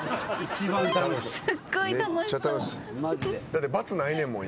だって罰ないねんもん